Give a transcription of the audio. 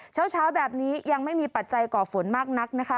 เช้าแบบนี้ยังไม่มีปัจจัยก่อฝนมากนักนะคะ